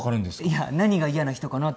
いや何が嫌な人かなってことが。